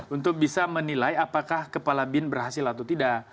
untuk bisa menilai apakah kepala bin berhasil atau tidak